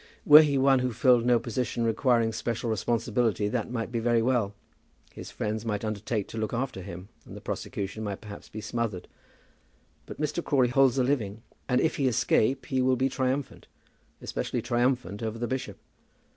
Were he one who filled no position requiring special responsibility, that might be very well. His friends might undertake to look after him, and the prosecution might perhaps be smothered. But Mr. Crawley holds a living, and if he escape he will be triumphant, especially triumphant over the bishop.